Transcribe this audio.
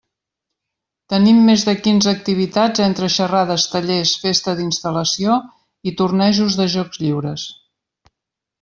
Tenim més de quinze activitats entre xerrades, tallers, festa d'instal·lació i tornejos de jocs lliures.